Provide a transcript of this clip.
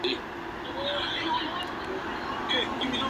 Al mismo tiempo Gris desarrolla una sed de sangre.